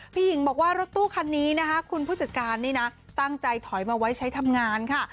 หญิงบอกว่ารถตู้คันนี้นะคะคุณผู้จัดการนี่นะตั้งใจถอยมาไว้ใช้ทำงานค่ะ